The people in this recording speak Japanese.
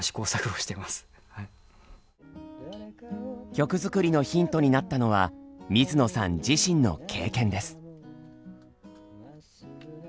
曲作りのヒントになったのは水野さん自身の経験です。